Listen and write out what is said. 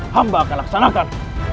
hamba akan laksanakan